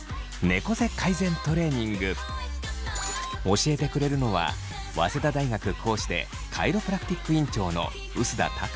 教えてくれるのは早稲田大学講師でカイロプラクティック院長の碓田拓磨さん。